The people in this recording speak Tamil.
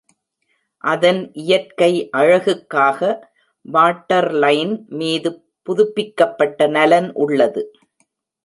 அதன் இயற்கை அழகுக்காக வாட்டர்லைன் மீது புதுப்பிக்கப்பட்ட நலன் உள்ளது.